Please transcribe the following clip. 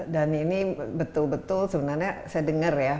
dan ini betul betul sebenarnya saya dengar ya